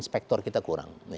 sekarang kita kurang